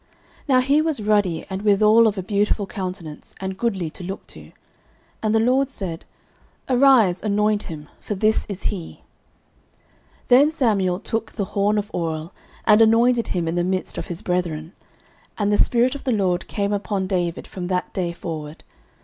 Now he was ruddy, and withal of a beautiful countenance, and goodly to look to. And the LORD said, Arise, anoint him: for this is he. 09:016:013 Then Samuel took the horn of oil, and anointed him in the midst of his brethren: and the Spirit of the LORD came upon David from that day forward.